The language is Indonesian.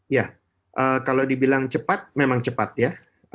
ya kalau dibilang cepat memang cepat ya